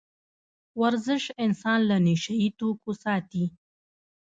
ورزش انسان له نشه يي توکو ساتي.